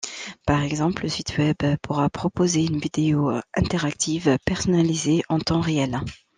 Par exemple, le site web pourra proposer une vidéo interactive personnalisée en temps réel.